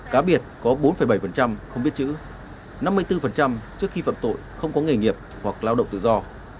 cá biệt có bốn bảy không biết chữ năm mươi bốn trước khi phạm tội không có nghề nghiệp hoặc lao động tự do